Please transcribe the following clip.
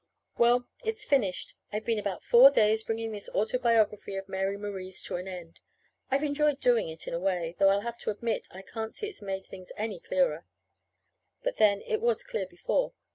Well, it's finished. I've been about four days bringing this autobiography of Mary Marie's to an end. I've enjoyed doing it, in a way, though I'll have to admit I can't see as it's made things any clearer. But, then, it was clear before.